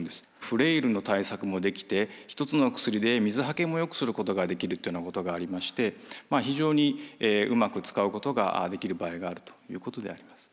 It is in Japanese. フレイルの対策もできて一つの薬で水はけもよくすることができるということがありまして非常にうまく使うことができる場合があるということであります。